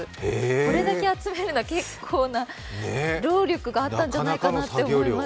これだけ集めるのは結構な労力があったんじゃないかなと思います。